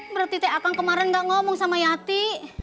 berarti teh akang kemarin gak ngomong sama yati